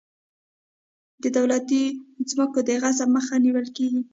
د دولتي ځمکو د غصب مخه نیول کیږي.